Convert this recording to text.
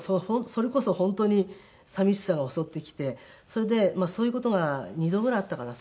それこそ本当に寂しさが襲ってきてそれでそういう事が二度ぐらいあったかな。